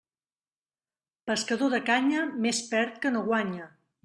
Pescador de canya, més perd que no guanya.